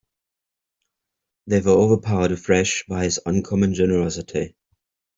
They were overpowered afresh by his uncommon generosity.